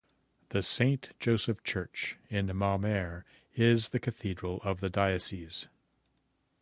The Saint Joseph church in Maumere is the cathedral of the diocese.